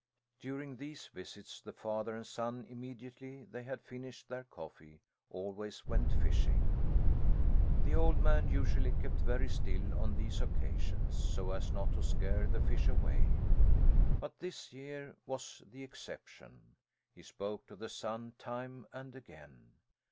During these visits the father and son immediately they had finished their coffee always went fishing. The old man usually kept very still on these occasions, so as not to scare the fish away, but this year was the exception. He spoke to the son time and again.